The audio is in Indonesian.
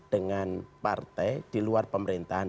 dan partai di luar pemerintahan